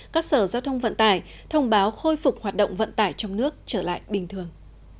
các sở giao thông vận tải thông báo khôi phục hoạt động vận tải trong nước trở lại bình thường